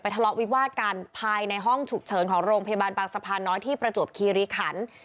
ทะเลาะวิวาดกันภายในห้องฉุกเฉินของโรงพยาบาลบางสะพานน้อยที่ประจวบคีรีขัน